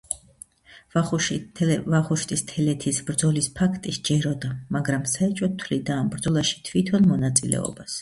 ვახუშტის თელეთის ბრძოლის ფაქტი სჯეროდა, მაგრამ საეჭვოდ თვლიდა ამ ბრძოლაში თვითონ მონაწილეობას.